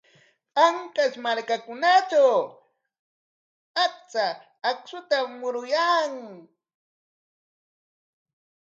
Ancash markakunatrawqa achka akshutam muruyan.